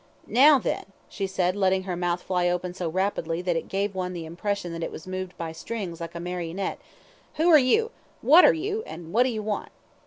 "Now then," she said, letting her mouth fly open so rapidly that it gave one the impression that it was moved by strings like a marionette, "Who are you? what are you? and what do you want?"